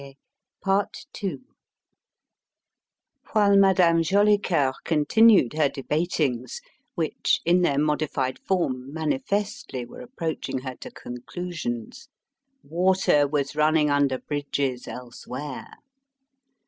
While Madame Jolicoeur continued her debatings which, in their modified form, manifestly were approaching her to conclusions water was running under bridges elsewhere.